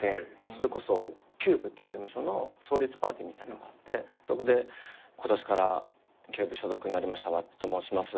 それこそキューブっていう事務所の創立パーティーみたいなのがあってそこで「今年からキューブ所属になりましたｗａｃｃｉと申します